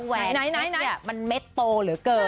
ไหนไหนแวนแท็กมันเม็ดโตเหลือเกิน